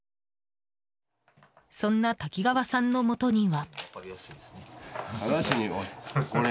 そんな滝川さんのもとには。